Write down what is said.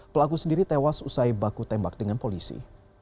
pelaku sendiri tewas usai baku tembak dengan polisi